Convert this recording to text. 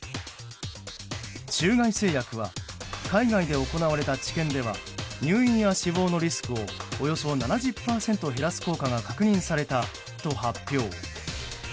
中外製薬は海外で行われた治験では入院や死亡のリスクをおよそ７０％減らす効果が確認されたと発表。